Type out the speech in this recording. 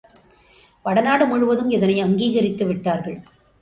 வட நாடு முழுவதும் இதனை அங்கீகரித்துவிட்டார்கள்.